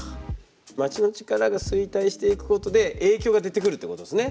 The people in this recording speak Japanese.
町の力が衰退していくことで影響が出てくるっていうことですね